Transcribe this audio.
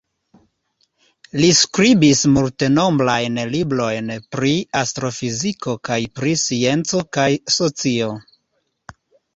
Li skribis multenombrajn librojn pri astrofiziko kaj pri scienco kaj socio.